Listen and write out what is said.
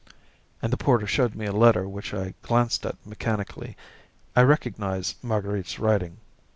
And the porter showed me a letter which I glanced at mechanically. I recognised Marguerite's writing.